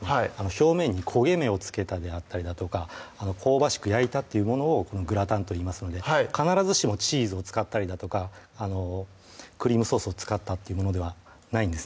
「表面に焦げ目をつけた」であったりだとか「香ばしく焼いた」っていうものをグラタンといいますので必ずしもチーズを使ったりだとかクリームソースを使ったっていうものではないんですね